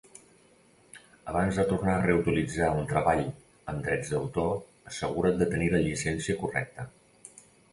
Abans de tornar a reutilitzar un treball amb drets d'autor assegura't de tenir la llicència correcta.